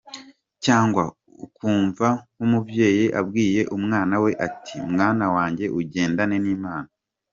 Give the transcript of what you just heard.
cyangwa ukumva nk’umubyeyi abwiye umwana we ati: « Mwana wanjye ugendane n’Imana.